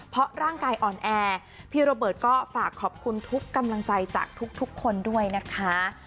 เพราะร่างกายอ่อนแอพี่โรเบิร์ตก็ฝากขอบคุณทุกกำลังใจจากทุกคนด้วยนะคะ